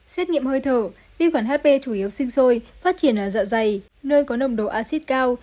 xét nghiệm hơi thở vi khuẩn hp chủ yếu sinh sôi phát triển ở dạ dày nơi có nồng độ acid cao